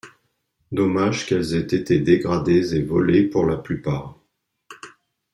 Dommage qu'elles aient été dégradées et volées pour la plupart.